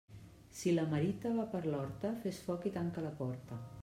Si la merita va per l'horta, fes foc i tanca la porta.